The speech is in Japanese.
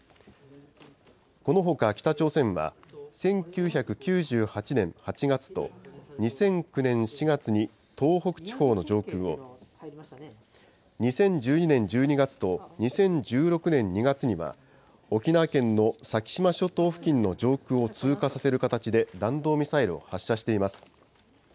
このほか北朝鮮は、１９９８年８月と、２００９年４月に東北地方の上空を、２０１２年１２月と２０１６年２月には、沖縄県の先島諸島付近の上空を通過させる形で弾道ミサイルを発射しています。